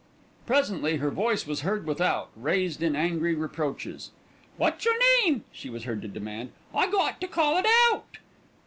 Presently her voice was heard without raised in angry reproaches. "What's your name?" she was heard to demand. "I got to call it out."